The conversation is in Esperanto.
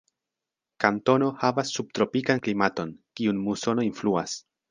Kantono havas subtropikan klimaton, kiun musono influas.